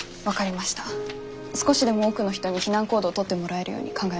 少しでも多くの人に避難行動を取ってもらえるように考えます。